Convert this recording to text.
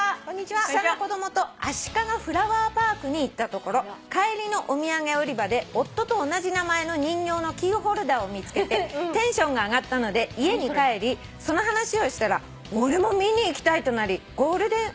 下の子供とあしかがフラワーパークに行ったところ帰りのお土産売り場で夫と同じ名前の人形のキーホルダーを見つけてテンションが上がったので家に帰りその話をしたら『俺も見に行きたい！』となりゴールデン」